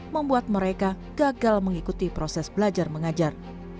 membuat mereka gagal mengikuti proses belajar mengajar